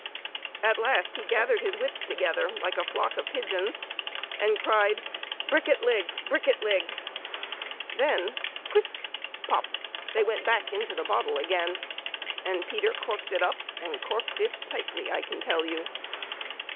At last he gathered his wits together, like a flock of pigeons, and cried, "brikket ligg! brikket ligg!" Then, whisk ! pop ! they went back into the bottle again, and Peter corked it up, and corked it tightly, I can tell you.